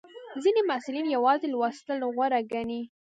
ځینې محصلین یوازې لوستل غوره ګڼي.